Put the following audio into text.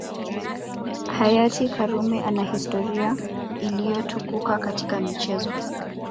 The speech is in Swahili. Hayati Karume ana historia iliyotukuka katika michezo